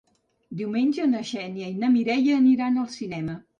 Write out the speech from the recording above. Diumenge na Xènia i na Mireia aniran al cinema.